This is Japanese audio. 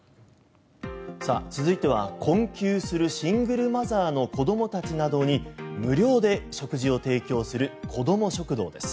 続いては困窮するシングルマザーの子どもたちなどに無料で食事を提供する子ども食堂です。